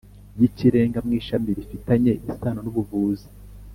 y ikirenga mw ishami rifitanye isano n ubuvuzi